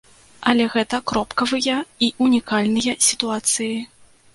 Але гэта кропкавыя і ўнікальныя сітуацыі.